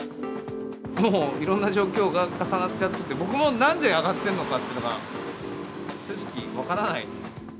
もういろんな状況が重なっちゃってて、僕もなんで上がってるのかっていうのが、正直、分からない。